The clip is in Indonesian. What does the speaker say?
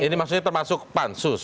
ini maksudnya termasuk pansus